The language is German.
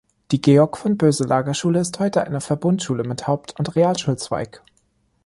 Die Georg-von-Boeselager-Schule ist heute eine Verbundschule mit Haupt- und Realschulzweig.